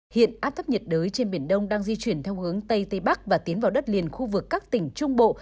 hiện áp thấp nhiệt đới trên biển đông đang di chuyển theo hướng tây tây bắc và tiến vào đất liền khu vực các tỉnh trung bộ